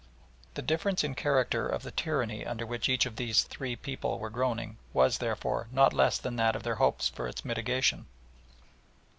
The difference in character of the tyranny under which each of the three peoples were groaning was, therefore, not less than that of their hopes for its mitigation.